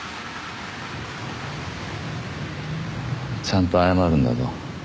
ちゃんと謝るんだぞ。